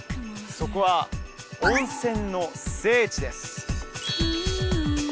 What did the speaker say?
そこは温泉の聖地です